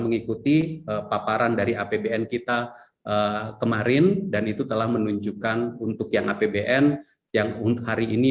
mengikuti paparan dari apbn kita kemarin dan itu telah menunjukkan untuk yang apbn yang hari ini